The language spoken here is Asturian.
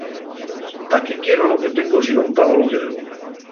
Pa qué quiero lo que tengo si nun pago lo que debo.